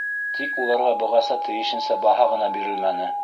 Тик уларға бығаса тейешенсә баһа ғына бирелмәне.